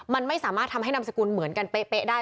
มันไม่สามารถทำให้นามสกุลเหมือนกันเป๊ะได้